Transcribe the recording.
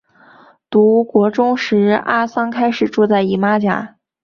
读国中时阿桑开始住在姨妈家。